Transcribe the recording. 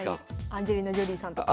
アンジェリーナ・ジョリーさんとか。